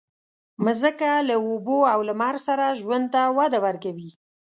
مځکه له اوبو او لمر سره ژوند ته وده ورکوي.